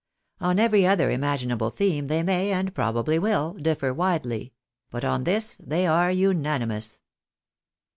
On every other imaginable theme, they may, and probably will, differ widely ; but ob this they are unanimous.